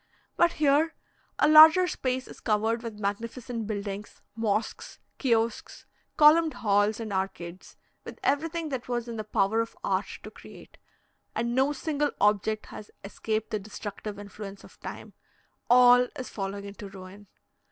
But here a larger space is covered with magnificent buildings, mosques, kiosks, columned halls, and arcades, with everything that was in the power of art to create; and no single object has escaped the destructive influence of time all is falling into ruin.